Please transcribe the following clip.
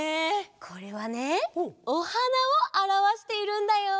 これはねおはなをあらわしているんだよ！